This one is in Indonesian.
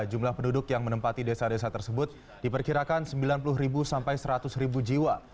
jumlah penduduk yang menempati desa desa tersebut diperkirakan sembilan puluh sampai seratus jiwa